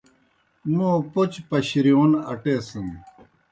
موں پوْچہ پݜرِیون اٹیسِن۔